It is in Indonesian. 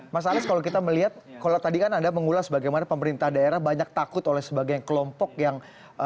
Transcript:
mas alex kalau kita melihat kalau tadi kan anda mengulas bagaimana pemerintah daerah banyak takut oleh sebagian kelompok yang